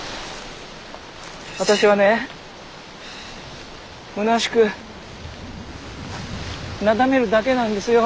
私はねむなしくなだめるだけなんですよ。